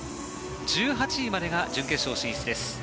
１８位までが準決勝進出です。